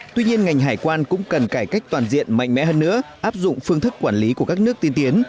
tuy nhiên ngành hải quan cũng cần cải cách toàn diện mạnh mẽ hơn nữa áp dụng phương thức quản lý của các nước tiên tiến